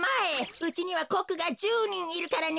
うちにはコックが１０にんいるからね。